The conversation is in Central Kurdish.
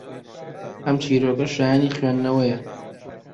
ئەم چیرۆکە شایەنی خوێندنەوەیە